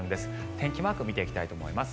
天気マークを見ていきたいと思います。